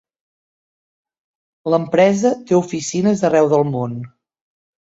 L'empresa té oficines arreu del món.